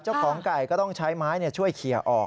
เจ้าของไก่ก็ต้องใช้ไม้ช่วยเขียออก